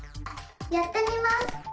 やってみます！